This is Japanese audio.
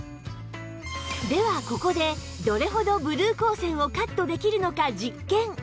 ではここでどれほどブルー光線をカットできるのか実験